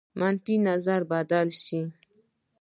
منفي نظر بدل شي.